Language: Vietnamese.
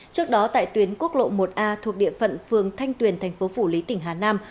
trước đó tại tuyến quốc lộ một a thuộc địa phận phương thanh tuyền tp phủ lý tỉnh hà nam